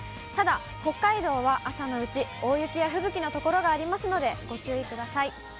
ただ、北海道は朝のうち、大雪や吹雪の所がありますのでご注意ください。